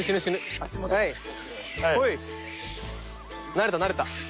慣れた慣れた。